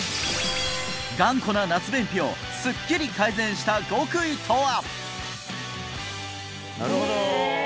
頑固な夏便秘をすっきり改善した極意とは？